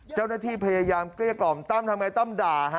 เจ้าหน้าที่พยายามเกลี้ยกล่อมตั้มทำไงตั้มด่าฮะ